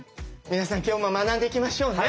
皆さん今日も学んでいきましょうね。